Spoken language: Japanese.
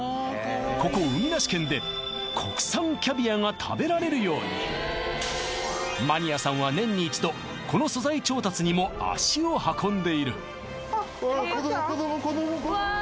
ここ海なし県で国産キャビアが食べられるようにマニアさんは年に一度この素材調達にも足を運んでいるあ赤ちゃん？